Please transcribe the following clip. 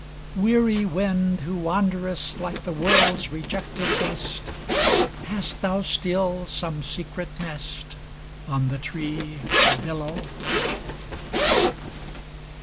Ill Weary wind, who wanderest Like the world's rejected guest, Hast thou still some secret nest On the tree or billow